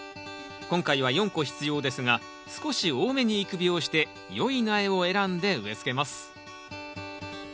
今回は４個必要ですが少し多めに育苗して良い苗を選んで植えつけます。